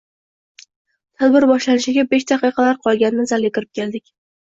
Tadbir boshlanishiga besh daqiqalar qolganida zalga kirib keldik